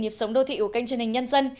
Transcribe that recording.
nhịp sống đô thị của kênh truyền hình nhân dân